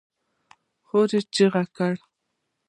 خور يې چيغه کړه!